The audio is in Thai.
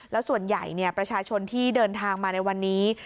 แล้วส่วนใหญ่ประชาชนที่เดินทางมาในวันนี้